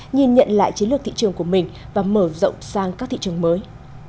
nhìn nhận lại chiến lược thị trường của mình và mở rộng sang các thị trường mới